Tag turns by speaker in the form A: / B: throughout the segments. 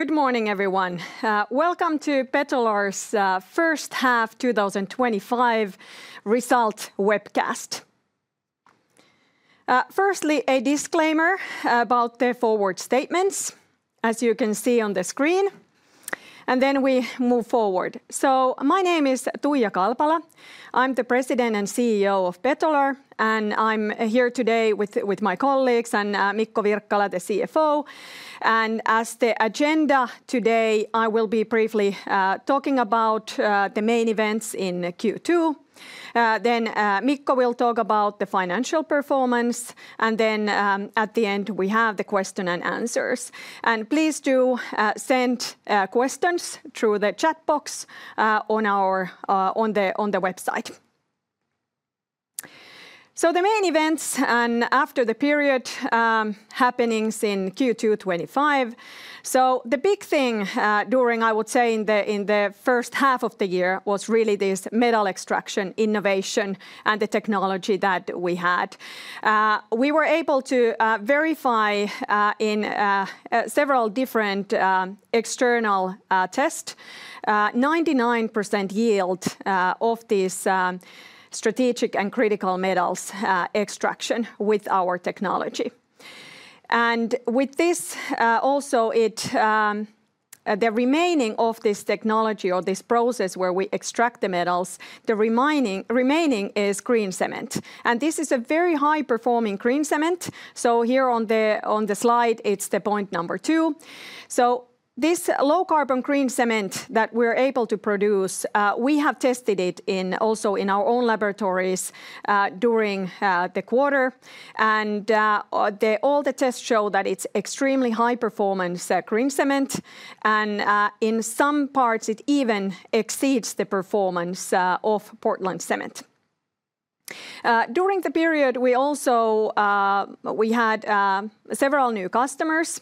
A: Good morning, everyone. Welcome to Betolar's first half 2025 result webcast. Firstly, a disclaimer about the forward statements, as you can see on the screen. We move forward. My name is Tuija Kalpala. I'm the President and CEO of Betolar, and I'm here today with my colleagues and Mikko Wirkkala, the CFO. As the agenda today, I will be briefly talking about the main events in Q2. Mikko will talk about the financial performance, and at the end, we have the question and answers. Please do send questions through the chat box on the website. The main events and after the period happening in Q2 2025. The big thing during, I would say, in the first half of the year was really this metal extraction innovation and the technology that we had. We were able to verify in several different external tests 99% yield of these strategic and critical metals extraction with our technology. With this, also the remaining of this technology or this process where we extract the metals, the remaining is green cement. This is a very high-performing green cement. Here on the slide, it's the point number two. This low-carbon green cement that we're able to produce, we have tested it also in our own laboratories during the quarter. All the tests show that it's extremely high-performance green cement. In some parts, it even exceeds the performance of Portland cement. During the period, we also had several new customers.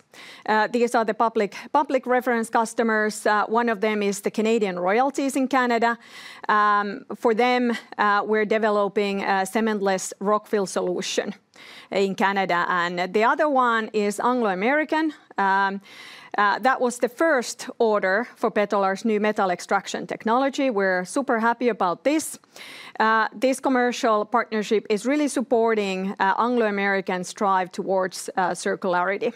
A: These are the public reference customers. One of them is Canadian Royalties in Canada. For them, we're developing a cementless rockfill solution in Canada. The other one is Anglo American. That was the first order for Betolar's new metal extraction technology. We're super happy about this. This commercial partnership is really supporting Anglo American's drive towards circularity.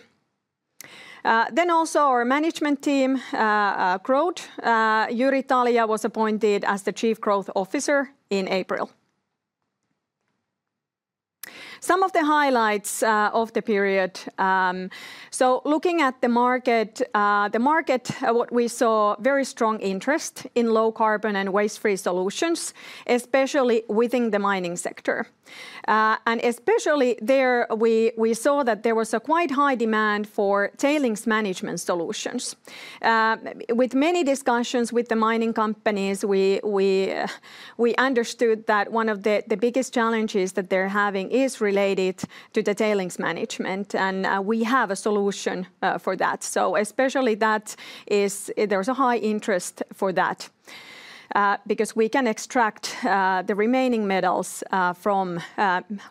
A: Also our management team, GROWTH, Jyri Talja was appointed as the Chief Growth Officer in April. Some of the highlights of the period. Looking at the market, the market, what we saw, very strong interest in low-carbon and waste-free solutions, especially within the mining sector. Especially there, we saw that there was a quite high demand for tailings management solutions. With many discussions with the mining companies, we understood that one of the biggest challenges that they're having is related to the tailings management. We have a solution for that. Especially, there is a high interest for that because we can extract the remaining metals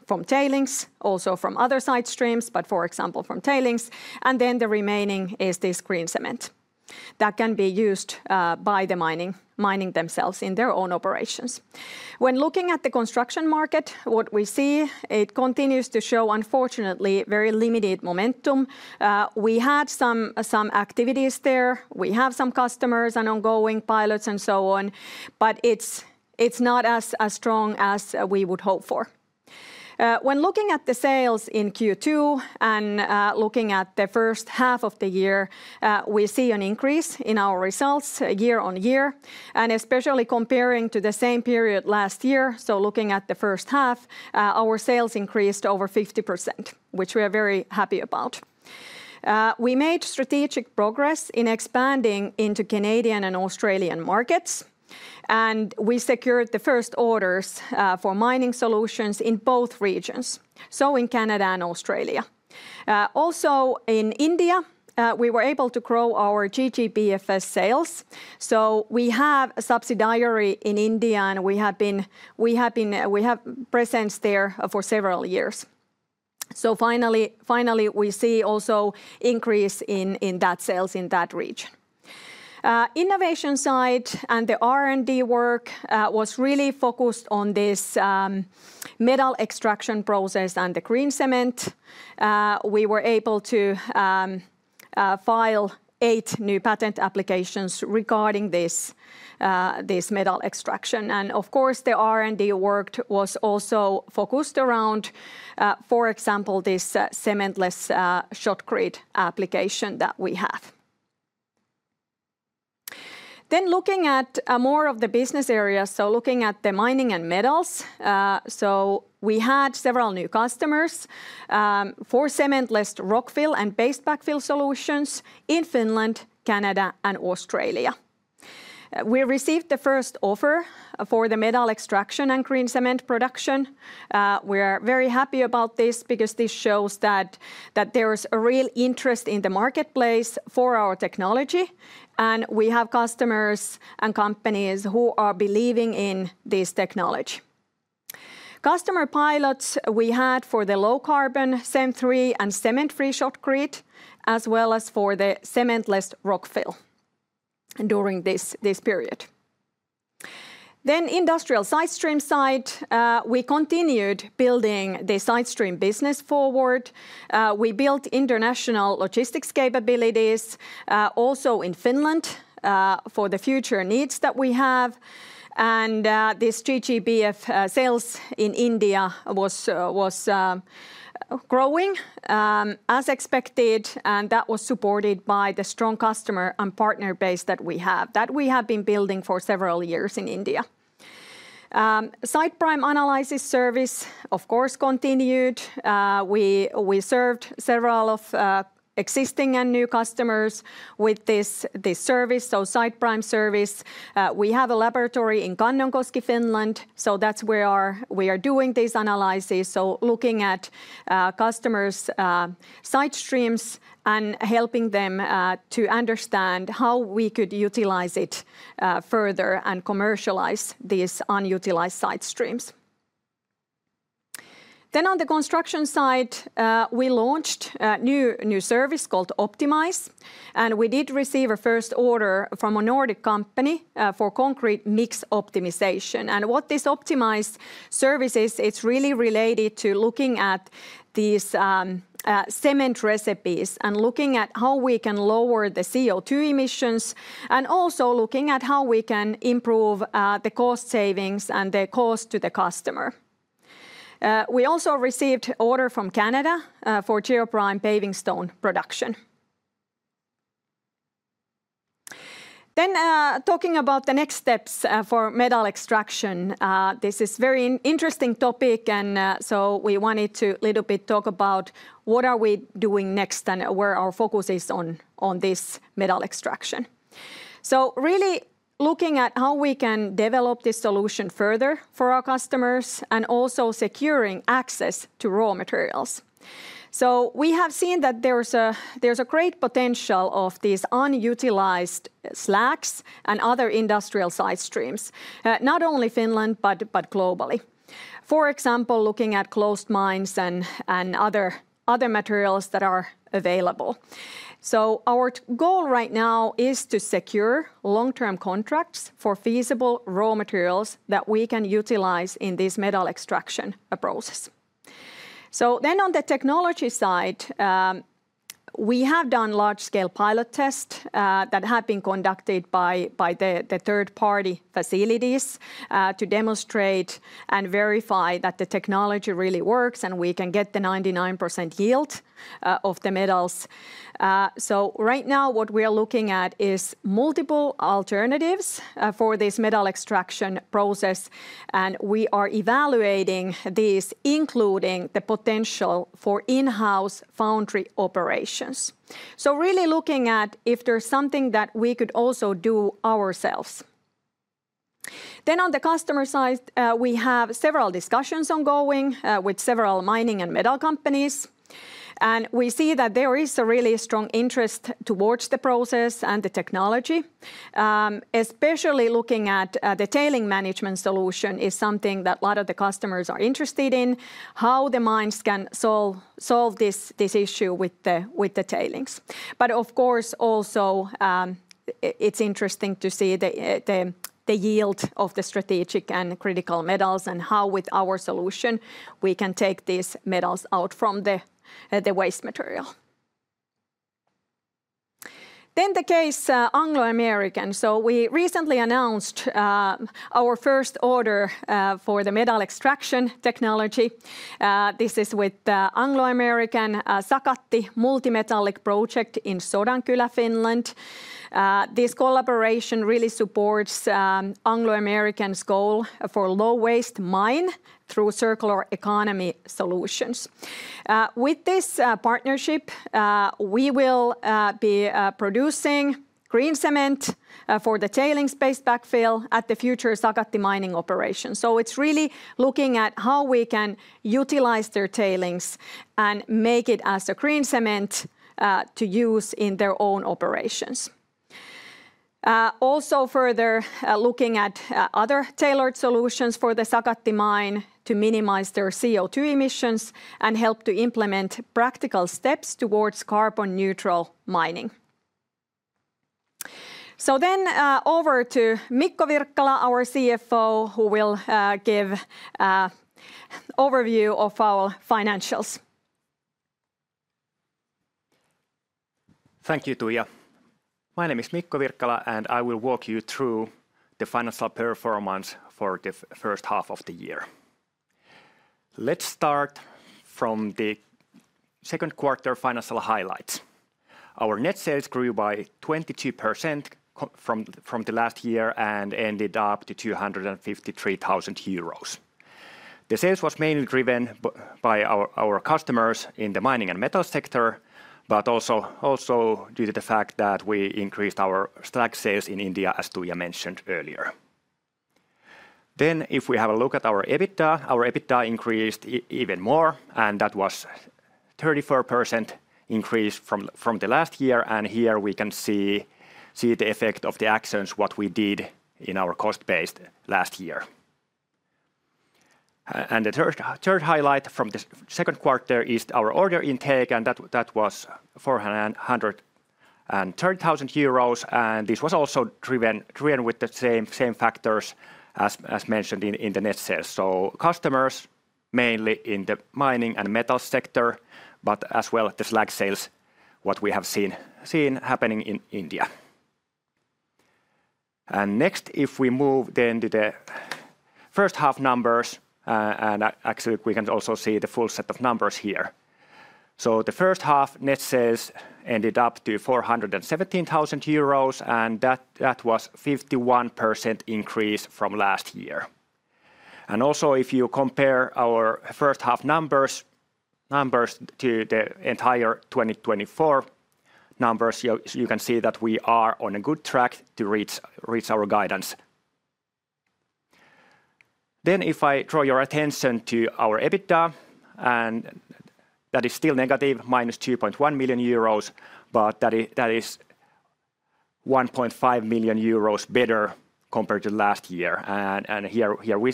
A: from tailings, also from other side streams, for example, from tailings. The remaining is this green cement that can be used by the mining companies themselves in their own operations. When looking at the construction market, what we see is it continues to show, unfortunately, very limited momentum. We had some activities there. We have some customers and ongoing pilots and so on, but it's not as strong as we would hope for. When looking at the sales in Q2 and looking at the first half of the year, we see an increase in our results year on year. Especially comparing to the same period last year, so looking at the first half, our sales increased over 50%, which we are very happy about. We made strategic progress in expanding into Canadian and Australian markets, and we secured the first orders for mining solutions in both regions, in Canada and Australia. Also, in India, we were able to grow our GGPFS sales. We have a subsidiary in India, and we have been present there for several years. Finally, we see also an increase in that sales in that region. Innovation side and the R&D work was really focused on this metal extraction process and the green cement. We were able to file eight new patent applications regarding this metal extraction. The R&D work was also focused around, for example, this cementless shotcrete application that we have. Looking at more of the business areas, looking at the mining and metals, we had several new customers for cementless rockfill and paste backfill solutions in Finland, Canada, and Australia. We received the first offer for the metal extraction and green cement production. We are very happy about this because this shows that there is a real interest in the marketplace for our technology, and we have customers and companies who are believing in this technology. Customer pilots we had for the low-carbon CEM III and cement-free shotcrete, as well as for the cementless rockfill during this period. On the industrial side stream side, we continued building the side stream business forward. We built international logistics capabilities also in Finland for the future needs that we have. This GGPFS sales in India was growing as expected, and that was supported by the strong customer and partner base that we have, that we have been building for several years in India. SidePrime Analysis service, of course, continued. We served several of existing and new customers with this service, so SidePrime service. We have a laboratory in Kannonkoski, Finland, so that's where we are doing these analyses. Looking at customers' side streams and helping them to understand how we could utilize it further and commercialize these unutilized side streams. On the construction side, we launched a new service called Optimize. We did receive a first order from a Nordic company for concrete mix optimization. What this Optimize service is, it's really related to looking at these cement recipes and looking at how we can lower the CO2 emissions and also looking at how we can improve the cost savings and the cost to the customer. We also received an order from Canada for Geoprime paving stone production. Talking about the next steps for metal extraction, this is a very interesting topic, and we wanted to talk a little bit about what are we doing next and where our focus is on this metal extraction. Really looking at how we can develop this solution further for our customers and also securing access to raw materials. We have seen that there's a great potential of these unutilized slags and other industrial side streams, not only in Finland, but globally. For example, looking at closed mines and other materials that are available. Our goal right now is to secure long-term contracts for feasible raw materials that we can utilize in this metal extraction process. On the technology side, we have done large-scale pilot tests that have been conducted by third-party facilities to demonstrate and verify that the technology really works and we can get the 99% yield of the metals. Right now, what we are looking at is multiple alternatives for this metal extraction process, and we are evaluating these, including the potential for in-house foundry operations. Really looking at if there's something that we could also do ourselves. On the customer side, we have several discussions ongoing with several mining and metal companies. We see that there is a really strong interest towards the process and the technology. Especially looking at the tailings management solution is something that a lot of the customers are interested in, how the mines can solve this issue with the tailings. Of course, also it's interesting to see the yield of the strategic and critical metals and how with our solution we can take these metals out from the waste material. The case Anglo American. We recently announced our first order for the metal extraction technology. This is with the Anglo American Sakatti Multimetallic Project in Sodankylä, Finland. This collaboration really supports Anglo American's goal for low-waste mine through circular economy solutions. With this partnership, we will be producing green cement for the tailings paste backfill at the future Sakatti mining operations. It's really looking at how we can utilize their tailings and make it as a green cement to use in their own operations. Also, further looking at other tailored solutions for the Sakatti mine to minimize their CO2 emissions and help to implement practical steps towards carbon neutral mining. Over to Mikko Wirkkala, our CFO, who will give an overview of our financials.
B: Thank you, Tuija. My name is Mikko Wirkkala and I will walk you through the financial performance for the first half of the year. Let's start from the second quarter financial highlights. Our net sales grew by 22% from last year and ended up at 253,000 euros. The sales were mainly driven by our customers in the mining and metal sector, but also due to the fact that we increased our slag sales in India, as Tuija mentioned earlier. If we have a look at our EBITDA, our EBITDA increased even more, and that was a 34% increase from last year. Here we can see the effect of the actions we took in our cost base last year. The third highlight from the second quarter is our order intake, and that was 430,000 euros. This was also driven by the same factors as mentioned in the net sales, so customers mainly in the mining and metal sector, as well as the slag sales we have seen happening in India. Next, if we move to the first half numbers, we can also see the full set of numbers here. The first half net sales ended up at 417,000 euros, and that was a 51% increase from last year. Also, if you compare our first half numbers to the entire 2024 numbers, you can see that we are on a good track to reach our guidance. If I draw your attention to our EBITDA, that is still negative, minus 2.1 million euros, but that is 1.5 million euros better compared to last year. Here we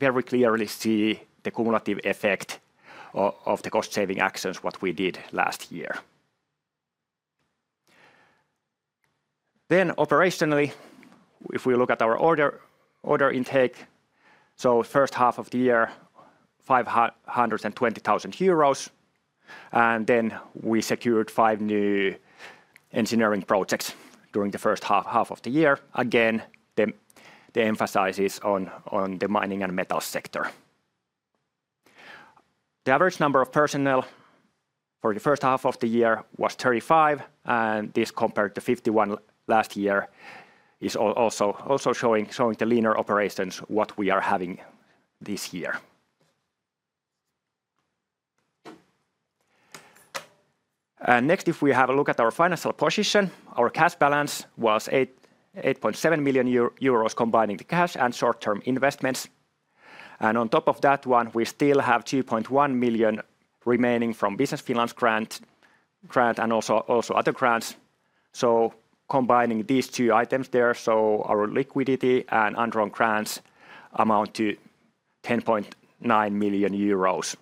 B: very clearly see the cumulative effect of the cost-saving actions we took last year. Operationally, if we look at our order intake for the first half of the year, it was 520,000 euros. We secured five new engineering projects during the first half of the year. Again, the emphasis is on the mining and metal sector. The average number of personnel for the first half of the year was 35, and this compared to 51 last year is also showing the leaner operations we are having this year. Next, if we have a look at our financial position, our cash balance was 8.7 million euros, combining the cash and short-term investments. On top of that, we still have 2.1 million remaining from the Business Finance Grant and also other grants. Combining these two items, our liquidity and underwriting grants amount to 10.9 million euros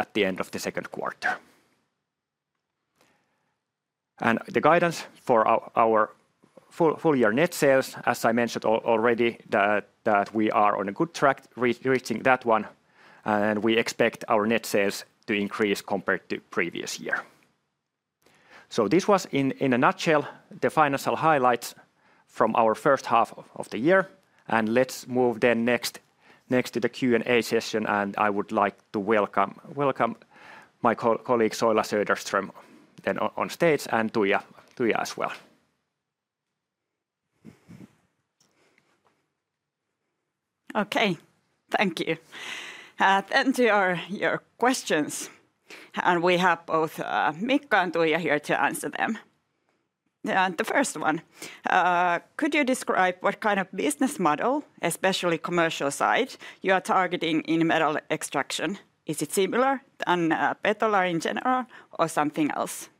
B: at the end of the second quarter. The guidance for our full-year net sales, as I mentioned already, is that we are on a good track reaching that one, and we expect our net sales to increase compared to the previous year. This was in a nutshell the financial highlights from our first half of the year. Let's move next to the Q&A session. I would like to welcome my colleague Soila Söderström on stage and Tuija as well.
C: Okay, thank you. To your questions, we have both Mikko and Tuija here to answer them. The first one, could you describe what kind of business model, especially commercial side, you are targeting in metal extraction? Is it similar to Betolar in general or something else?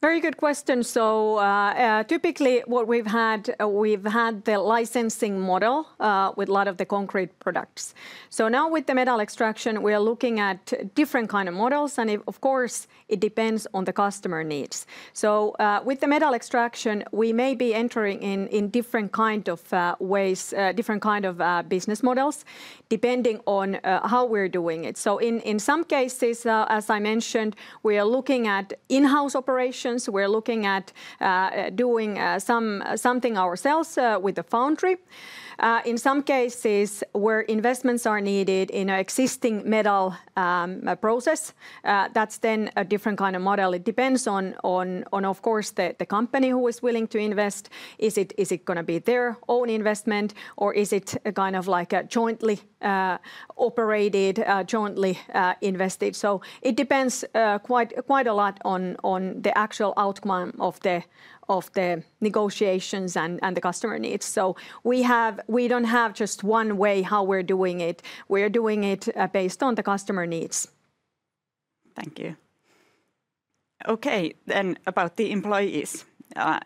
A: Very good question. Typically, what we've had, we've had the licensing model with a lot of the concrete products. Now with the metal extraction, we are looking at different kinds of models, and of course, it depends on the customer needs. With the metal extraction, we may be entering in different kinds of ways, different kinds of business models, depending on how we're doing it. In some cases, as I mentioned, we are looking at in-house operations. We're looking at doing something ourselves with the foundry. In some cases, where investments are needed in an existing metal process, that's then a different kind of model. It depends on, of course, the company who is willing to invest. Is it going to be their own investment, or is it kind of like a jointly operated, jointly invested? It depends quite a lot on the actual outcome of the negotiations and the customer needs. We don't have just one way how we're doing it. We're doing it based on the customer needs.
C: Thank you. Okay, about the employees.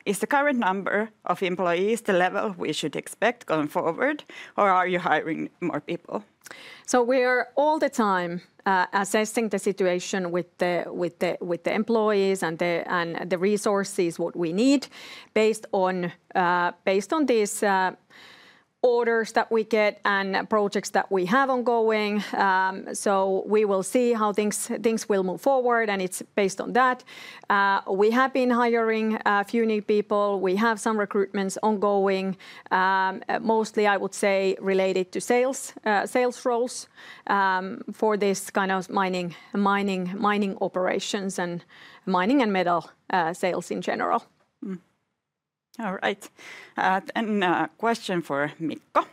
C: Is the current number of employees the level we should expect going forward, or are you hiring more people? We're all the time assessing the situation with the employees and the resources, what we need, based on these orders that we get and projects that we have ongoing.
A: We will see how things will move forward, and it's based on that. We have been hiring a few new people. We have some recruitments ongoing, mostly I would say related to sales roles for this kind of mining operations and mining and metal sales in general.
C: All right. A question for Mikko.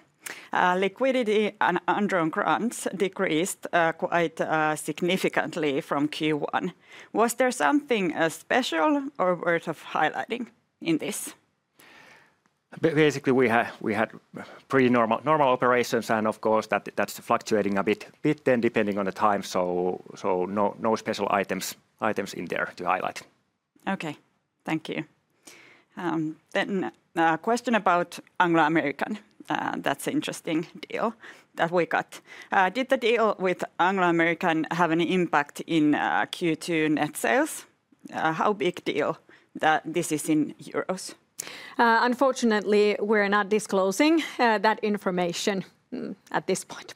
C: Liquidity and underwriting grants decreased quite significantly from Q1. Was there something special or worth highlighting in this?
B: Basically, we had pretty normal operations, and of course, that's fluctuating a bit depending on the time. No special items in there to highlight.
C: Okay, thank you. A question about Anglo American. That's an interesting deal that we got. Did the deal with Anglo American have any impact in Q2 net sales? How big a deal this is in euros?
A: Unfortunately, we're not disclosing that information at this point.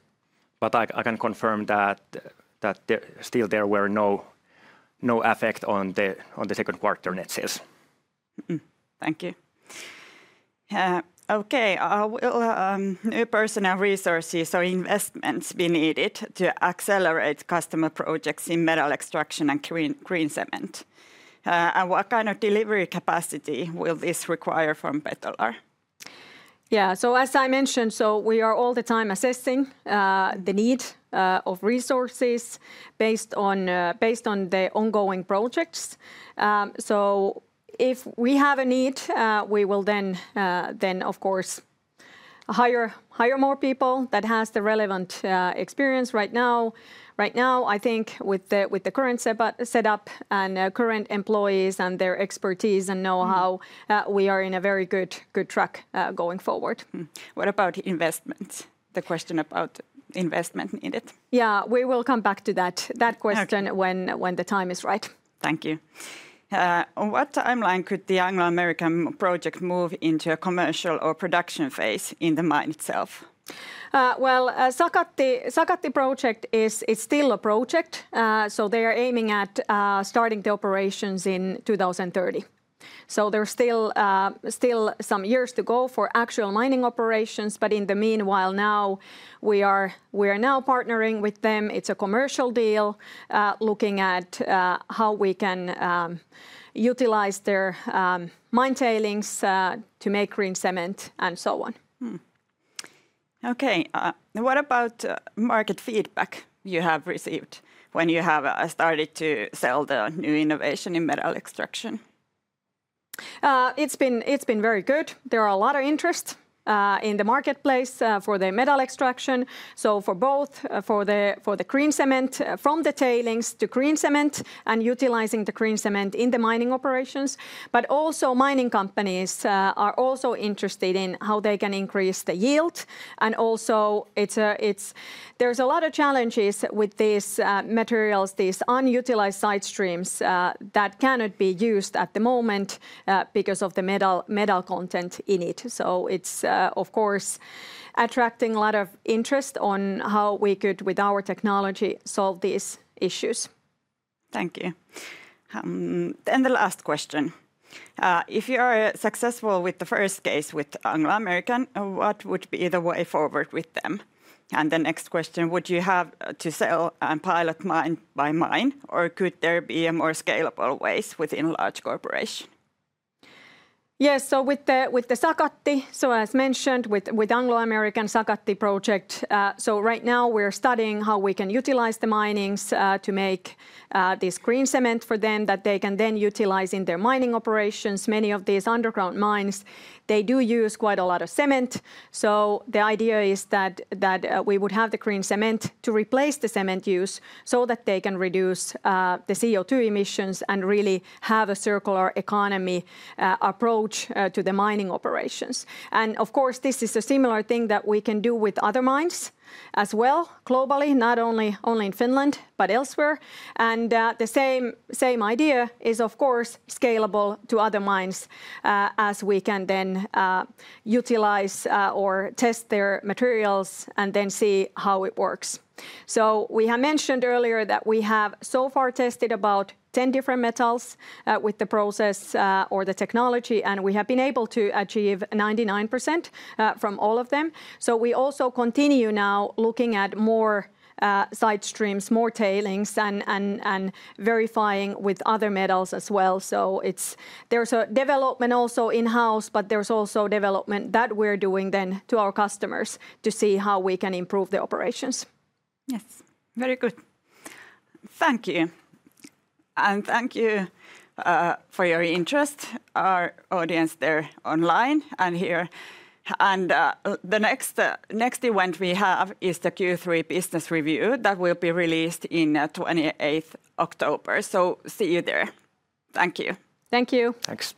B: I can confirm that still there were no effects on the second quarter net sales.
C: Thank you. Okay, will new personal resources or investments be needed to accelerate customer projects in metal extraction and green cement? What kind of delivery capacity will this require from Betolar?
A: Yeah. As I mentioned, we are all the time assessing the need of resources based on the ongoing projects. If we have a need, we will then, of course, hire more people that have the relevant experience. Right now, I think with the current setup and current employees and their expertise and know-how, we are on a very good track going forward. What about investments? The question about investment needed. Yeah, we will come back to that question when the time is right.
C: Thank you. What timeline could the Anglo American project move into a commercial or production phase in the mine itself?
A: The Sakatti project is still a project. They are aiming at starting the operations in 2030. There are still some years to go for actual mining operations, but in the meanwhile, we are now partnering with them. It's a commercial deal looking at how we can utilize their mine tailings to make green cement and so on.
C: Okay. What about market feedback you have received when you have started to sell the new innovation in metal extraction?
A: It's been very good. There is a lot of interest in the marketplace for the metal extraction. For both, for the green cement from the tailings to green cement and utilizing the green cement in the mining operations, but also mining companies are also interested in how they can increase the yield. There are a lot of challenges with these materials, these unutilized side streams that cannot be used at the moment because of the metal content in it. It's, of course, attracting a lot of interest on how we could, with our technology, solve these issues.
C: Thank you. The last question. If you are successful with the first case with Anglo American, what would be the way forward with them? The next question, would you have to sell and pilot mine by mine, or could there be more scalable ways within large corporations?
A: Yes, with the Sakatti, as mentioned, with the Anglo American Sakatti project, right now we're studying how we can utilize the minings to make this green cement for them that they can then utilize in their mining operations. Many of these underground mines do use quite a lot of cement. The idea is that we would have the green cement to replace the cement use so that they can reduce the CO2 emissions and really have a circular economy approach to the mining operations. This is a similar thing that we can do with other mines as well globally, not only in Finland, but elsewhere. The same idea is, of course, scalable to other mines as we can then utilize or test their materials and then see how it works. We have mentioned earlier that we have so far tested about 10 different metals with the process or the technology, and we have been able to achieve 99% from all of them. We also continue now looking at more side streams, more tailings, and verifying with other metals as well. There is a development also in-house, but there is also development that we're doing then to our customers to see how we can improve the operations.
C: Yes, very good. Thank you. Thank you for your interest, our audience there online and here. The next event we have is the Q3 business review that will be released on 28th October. See you there. Thank you.
A: Thank you.
B: Thanks.